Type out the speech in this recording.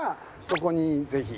「そこにぜひ」